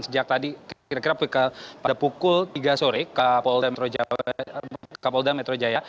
sejak tadi kira kira pada pukul tiga sore kapolda metro jaya